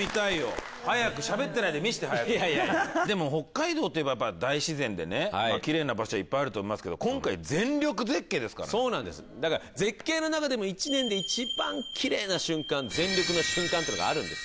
いやいやいやでも北海道といえばやっぱ大自然でねキレイな場所いっぱいあると思いますけどそうなんですだから絶景の中でも全力の瞬間っていうのがあるんです